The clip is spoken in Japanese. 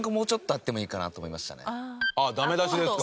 ああダメ出しですか？